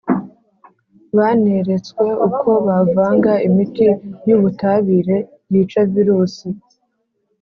baneretswe uko bavanga imiti y’ubutabire yica virusi.